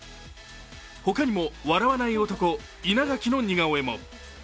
他にも、笑わない男・稲垣の似顔絵も。